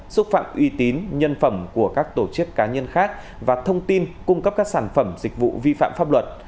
xúc phạm uy tín nhân phẩm của các tổ chức cá nhân khác và thông tin cung cấp các sản phẩm dịch vụ vi phạm pháp luật